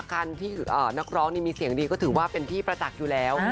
การที่นักร้องนี่มีเสียงดีก็ถือว่าเป็นที่ประจักษ์อยู่แล้ว